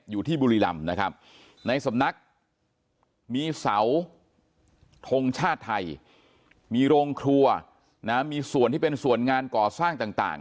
อยู่ที่บุรีรำนะครับในสำนักมีเสาทงชาติไทยมีโรงครัวนะมีส่วนที่เป็นส่วนงานก่อสร้างต่าง